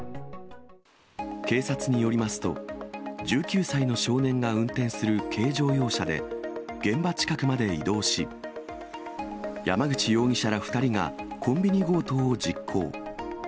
警察によりますと、１９歳の少年が運転する軽乗用車で、現場近くまで移動し、山口容疑者ら２人がコンビニ強盗を実行。